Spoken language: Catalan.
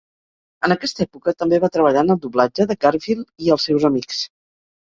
En aquesta època també va treballar en el doblatge de "Garfield i els seus amics".